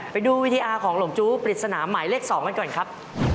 ไปดูวิทยาของลงจุบิตสนามหมายเลข๒ก่อนครับ